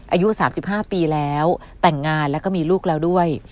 อายุ๓๕ปีแล้วแต่งงานแล้วก็มีลูกแล้วด้วย